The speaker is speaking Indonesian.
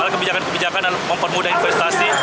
hal kebijakan kebijakan adalah mempermudah investasi